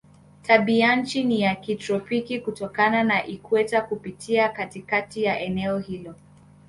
Tabianchi ni ya kitropiki kutokana na ikweta kupita katikati ya eneo hilo.